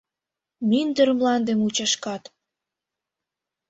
Мӱндыр мланде мучашкат